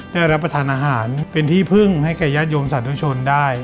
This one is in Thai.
ได้รับประทานอาหารเป็นที่พึ่งให้แก่ญาติโยมสาธุชนได้